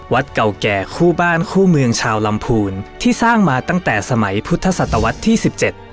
เก่าแก่คู่บ้านคู่เมืองชาวลำพูนที่สร้างมาตั้งแต่สมัยพุทธศตวรรษที่สิบเจ็ด